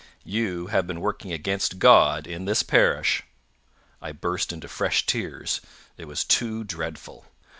You have been working against God in this parish." I burst into fresh tears. It was too dreadful.